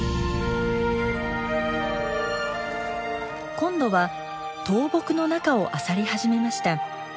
今度は倒木の中をあさり始めました。